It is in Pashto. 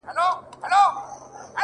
ستا اوس توره کوټه کي تنها شپې تېروي;